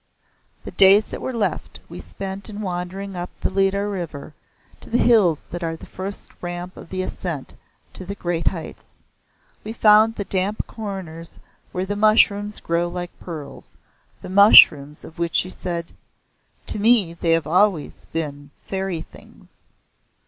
The days that were left we spent in wandering up the Lidar River to the hills that are the first ramp of the ascent to the great heights. We found the damp corners where the mushrooms grow like pearls the mushrooms of which she said "To me they have always been fairy things.